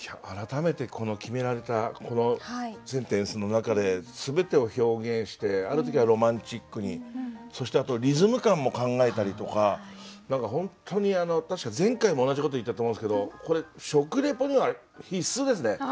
改めてこの決められたこのセンテンスの中で全てを表現してある時はロマンチックにそしてあとリズム感も考えたりとか本当にあの確か前回も同じこと言ったと思うんですけどこれ食レポには必須ですね。